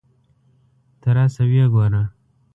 ته راشه ویې ګوره.